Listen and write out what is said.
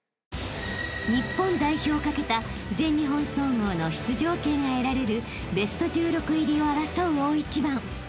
［日本代表を懸けた全日本総合の出場権が得られるベスト１６入りを争う大一番］